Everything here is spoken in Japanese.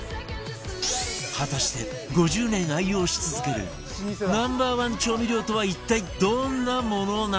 果たして５０年愛用し続ける Ｎｏ．１ 調味料とは一体どんなものなのか？